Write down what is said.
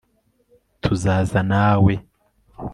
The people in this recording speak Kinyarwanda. tuzaza nawe